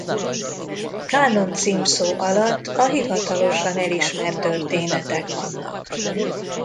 Kánon címszó alatt a hivatalosan elismert történetek vannak.